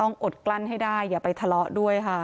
อดกลั้นให้ได้อย่าไปทะเลาะด้วยค่ะ